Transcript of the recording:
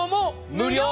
無料。